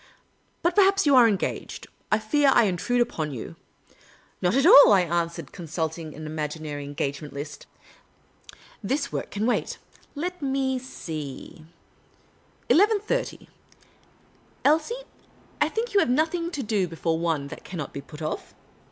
" But perhaps you are engaged. I fear I intrude upon you." " Not at all," I answered, consulting an imaginary en gagement list. " This work can wait. I^et me see : 11.30. Elsie, I think you have nothing to do l)efore one, that can not be put off?